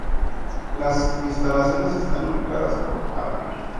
Las instalaciones están ubicadas por Ave.